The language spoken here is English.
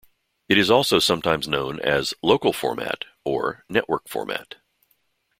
It is also sometimes known as "local format" or "network format".